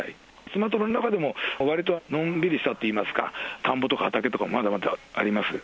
スマトラの中でもわりとのんびりしたといいますか、田んぼとか畑とかもまだまだあります。